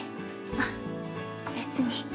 あっ別に。